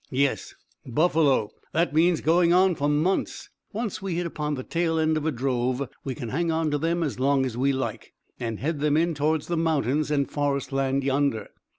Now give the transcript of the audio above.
"Yes: buffalo. That means going on for months. Once we hit upon the tail end of a drove we can hang on to them as long as we like, and head them in towards the mountains and forest land yonder.